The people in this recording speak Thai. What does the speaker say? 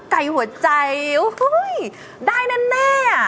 ไก่หัวใจได้แน่